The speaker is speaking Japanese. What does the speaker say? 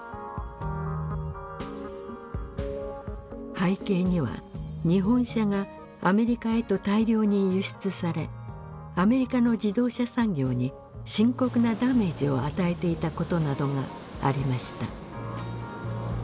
背景には日本車がアメリカへと大量に輸出されアメリカの自動車産業に深刻なダメージを与えていたことなどがありました。